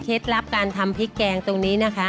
ลับการทำพริกแกงตรงนี้นะคะ